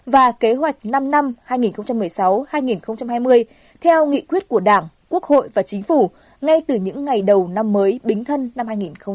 và kế hoạch năm năm hai nghìn một mươi sáu hai nghìn hai mươi theo nghị quyết của đảng quốc hội và chính phủ ngay từ những ngày đầu năm mới bính thân năm hai nghìn hai mươi